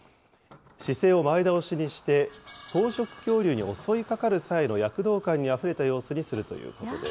姿勢を前倒しにして、草食恐竜に襲いかかる際の躍動感にあふれた様子にするということです。